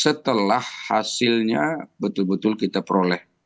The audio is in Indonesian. setelah hasilnya betul betul kita peroleh